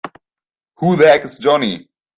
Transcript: Who the heck is Johnny?!